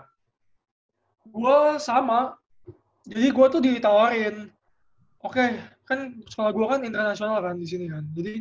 kedua sama jadi gue tuh ditawarin oke kan sekolah gue kan internasional kan disini kan jadi